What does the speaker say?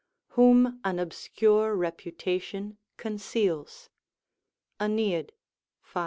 ["Whom an obscure reputation conceals." AEneid, v.